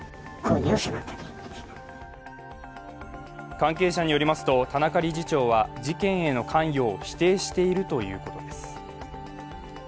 関係者によりますと田中理事長は、事件への関与を否定しているということです。